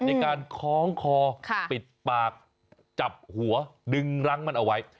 ในการคล้องคอปิดปากจับหัวดึงรั้งมันเอาไว้